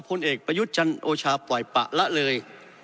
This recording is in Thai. พลเอกประยุทธ์จันโอชาปล่อยปะละเลย